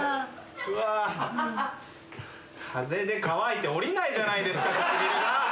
風で乾いて下りないじゃないですか唇が！